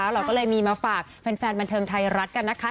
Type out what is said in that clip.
เราก็เลยมีมาฝากแฟนบันเทิงไทยรัฐกันนะคะ